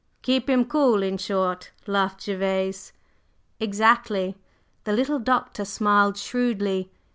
"Keep him cool, in short!" laughed Gervase. "Exactly!" The little Doctor smiled shrewdly.